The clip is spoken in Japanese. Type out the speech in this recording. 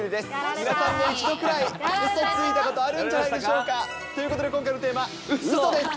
皆さんも一度くらい、うそついたことあるんじゃないでしょうか。ということで今回のテーマ、うそです。